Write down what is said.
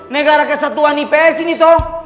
negara kesatuan ips ini toh